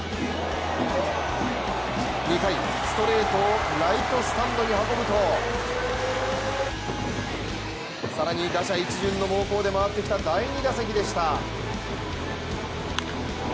２回、ストレートをライトスタンドに運ぶと更に打者１巡の猛攻で回ってきた第２打席でした。